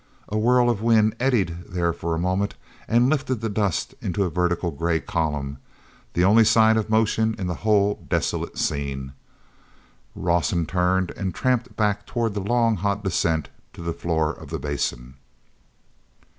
A whirl of wind eddied there for a moment and lifted the dust into a vertical gray column—the only sign of motion in the whole desolate scene. Rawson turned and tramped back toward the long hot descent to the floor of the Basin.